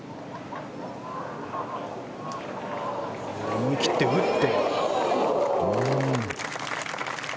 思い切って打ってきた。